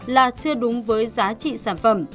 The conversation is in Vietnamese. là chưa đúng với giá trị sản phẩm